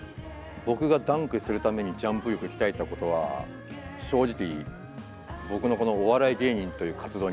僕がダンクするためにジャンプ力鍛えたことは正直僕のこのお笑い芸人という活動に何の影響も与えませんでした。